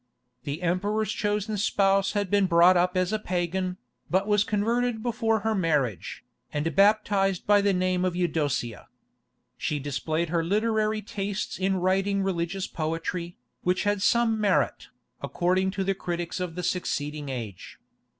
The emperor's chosen spouse had been brought up as a pagan, but was converted before her marriage, and baptized by the name of Eudocia. She displayed her literary tastes in writing religious poetry, which had some merit, according to the critics of the succeeding age.